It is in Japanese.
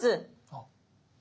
あっ。